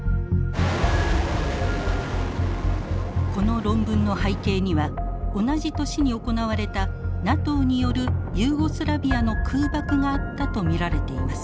この論文の背景には同じ年に行われたＮＡＴＯによるユーゴスラビアの空爆があったと見られています。